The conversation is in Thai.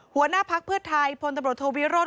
หัวหน้าพักเพื่อไทยพลตำรวจโทวิโรธ